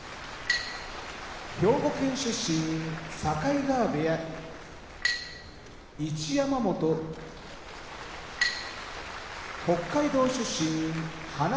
兵庫県出身境川部屋一山本北海道出身放駒部屋